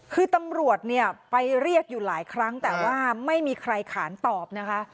คือตำรวจเนี่ยไปเรียกอยู่หลายครั้งแต่ว่าไม่มีใครขานตอบนะคะ